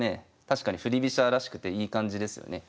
確かに振り飛車らしくていい感じですよね。